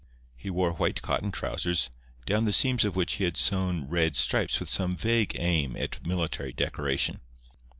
He wore white cotton trousers, down the seams of which he had sewed red stripes with some vague aim at military decoration.